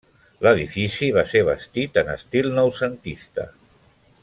L'edifici va ser bastit en estil noucentista.